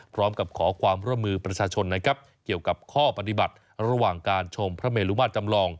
พร้อมกับขอความร่วมมือประชาชนนะครับเกี่ยวกับข้อปฏิบัติระหว่างการชมพระเมลุมาตรจำลอง